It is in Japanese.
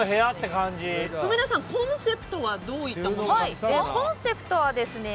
うめのさん、コンセプトはどういったものですか？